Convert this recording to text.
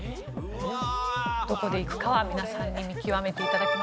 どこでいくかは皆さんに見極めて頂き。